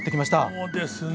そうですね。